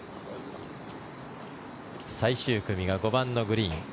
最終組が５番のグリーン。